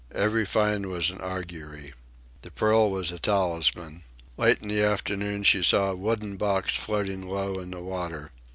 Every find was an augury. The pearl was a talisman. Late in the afternoon she saw a wooden box floating low in the water.